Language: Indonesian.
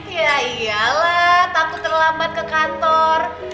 ya iyalah takut terlambat ke kantor